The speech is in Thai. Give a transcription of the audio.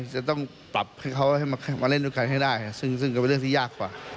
จะต้องปรับให้เขาให้มาเล่นด้วยกันให้ได้ซึ่งก็เป็นเรื่องที่ยากกว่า